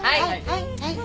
はいはい。